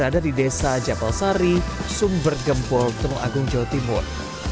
di desa jepelsari sumber gempol tengah agung jawa timur